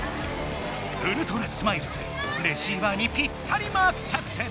ウルトラスマイルズレシーバーにピッタリマーク作戦。